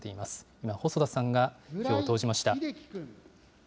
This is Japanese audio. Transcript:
今、細田さんが票を投じました。